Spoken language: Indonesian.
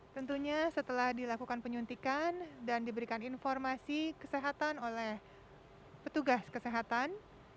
tentunya setelah dilakukan penyuntikan dan diberikan informasi kesehatan oleh petugas kesehatan